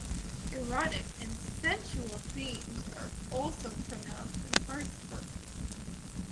Erotic and sensual themes are also pronounced in Hart's work.